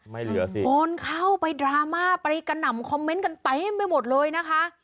ไม่เหลือสิโอนเข้าไปดราม่าไปกระหน่ำคอมเมนต์กันเต็มไปหมดเลยนะคะ